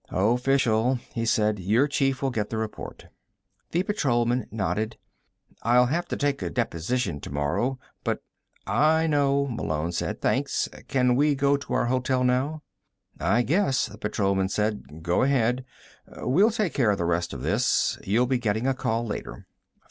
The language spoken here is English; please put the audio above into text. "Official," he said. "Your chief will get the report." The patrolman nodded. "I'll have to take a deposition tomorrow, but " "I know," Malone said. "Thanks. Can we go on to our hotel now?" "I guess," the patrolman said. "Go ahead. We'll take care of the rest of this. You'll be getting a call later."